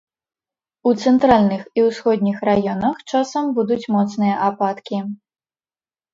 У цэнтральных і ўсходніх раёнах часам будуць моцныя ападкі.